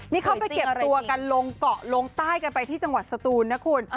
นี่เขาไปเก็บตัวกันลงเกาะลงใต้กันไปที่จังหวัดสตูนนะคุณ